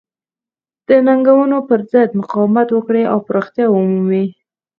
د ننګونو پرضد مقاومت وکړي او پراختیا ومومي.